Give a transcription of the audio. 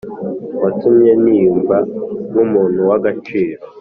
watumye niyumva nk’umuntu w’agaciro